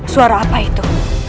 suara apa itu